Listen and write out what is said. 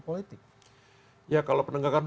politik ya kalau penegakan